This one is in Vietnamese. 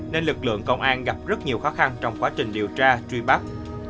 nên lực lượng công an gặp rất nhiều khó khăn trong quá trình điều tra truy bắt